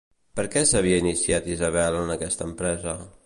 Per què s'havia iniciat Isabel en aquesta empresa?